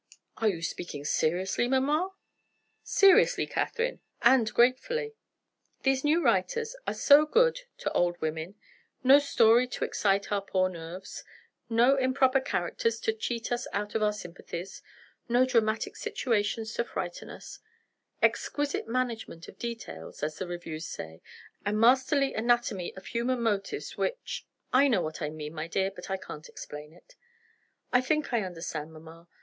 "Are you speaking seriously, mamma?" "Seriously, Catherine and gratefully. These new writers are so good to old women. No story to excite our poor nerves; no improper characters to cheat us out of our sympathies, no dramatic situations to frighten us; exquisite management of details (as the reviews say), and a masterly anatomy of human motives which I know what I mean, my dear, but I can't explain it." "I think I understand, mamma.